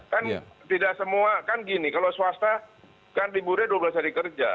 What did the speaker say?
kan tidak semua kan gini kalau swasta kan liburnya dua belas hari kerja